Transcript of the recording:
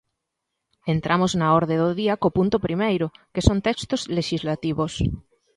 Entramos na orde do día co punto primeiro, que son textos lexislativos.